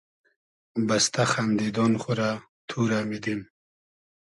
بئستۂ خئندیدۉن خو رۂ تو رۂ میدیم